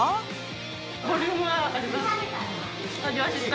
ボリュームがあります。